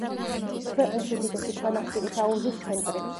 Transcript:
ქვეყნის უდიდესი ქვანახშირის აუზის ცენტრი.